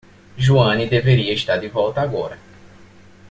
Joanne deveria estar de volta agora.